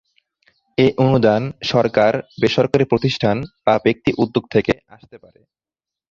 এ অনুদান সরকার, বেসরকারি প্রতিষ্ঠান বা ব্যক্তি উদ্যোগ থেকে আসতে পারে।